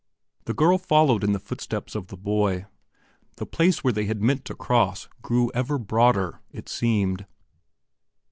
The girl followed in the footsteps of the boy. The place where they had meant to cross grew ever broader, it seemed.